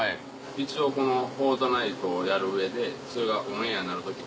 一応この『フォートナイト』をやる上でそれがオンエアになる時に。